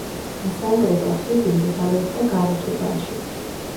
მესანგრეთა ხიდი მდებარეობდა გარეთუბანში.